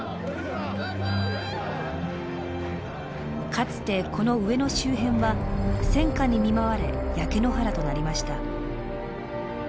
かつてこの上野周辺は戦火に見舞われ焼け野原となりました。